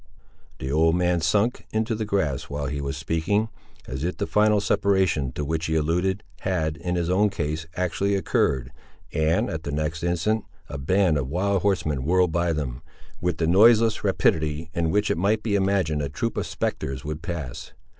The old man sunk into the grass while he was speaking, as if the final separation to which he alluded, had, in his own case, actually occurred, and, at the next instant, a band of wild horsemen whirled by them, with the noiseless rapidity in which it might be imagined a troop of spectres would pass.